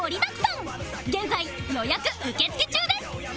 現在予約受付中です！